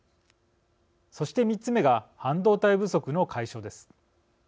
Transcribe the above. そして、３つ目が半導体不足の解消です。